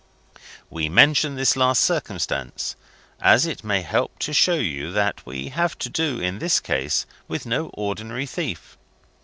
"We mention this last circumstance, as it may help to show you that we have to do, in this case, with no ordinary thief.